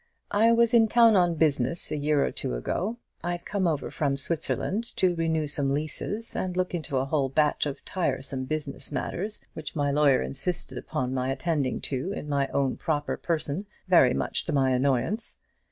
I was in town on business a year or two ago. I'd come over from Switzerland to renew some leases, and look into a whole batch of tiresome business matters, which my lawyer insisted upon my attending to in my own proper person, very much to my annoyance.